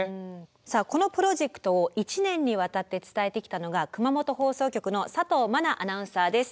さあこのプロジェクトを１年にわたって伝えてきたのが熊本放送局の佐藤茉那アナウンサーです。